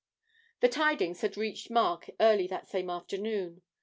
The tidings had reached Mark early that same afternoon.